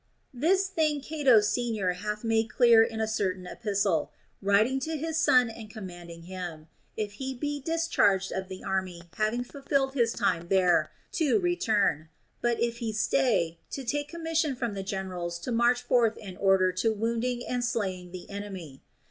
This thing Cato Senior hath made clear in a certain epistle, writing to his son and commanding him, if he be discharged of the army having fulfilled his time there, to return ; but if he stay, to take commission from the general to march forth in order to wounding and slaying the enemy.